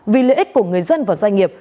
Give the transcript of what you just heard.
vì lợi ích của người dân và doanh nghiệp